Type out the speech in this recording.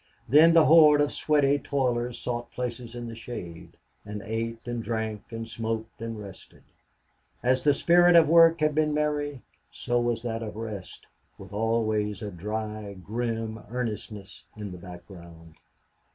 Then the horde of sweaty toilers sought places in the shade, and ate and drank and smoked and rested. As the spirit of work had been merry, so was that of rest, with always a dry, grim earnestness in the background.